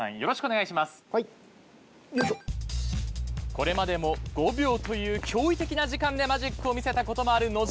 これまでも５秒という驚異的な時間でマジックを見せたこともある野島。